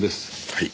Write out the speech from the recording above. はい。